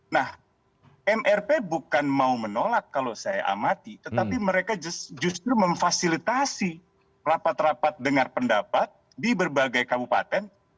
nah mrp bukan mau menolak kalau saya amati tetapi mereka justru memfasilitasi rapat rapat dengar pendapat di berbagai kabupaten